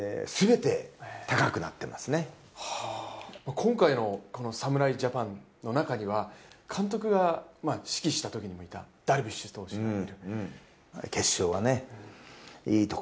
今回の侍ジャパンの中には監督が指揮したときにもいたダルビッシュ投手がいて。